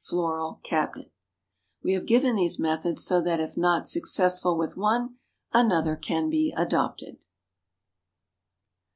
Floral Cabinet. We have given these methods so that if not successful with one, another can be adopted.